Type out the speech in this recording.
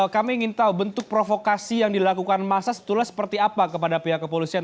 kami ingin tahu bentuk provokasi yang dilakukan massa sebetulnya seperti apa kepada pihak kepolisian